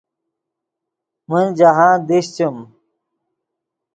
من جاہند دیشچیم